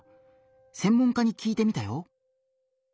専門家に聞いてみたよ。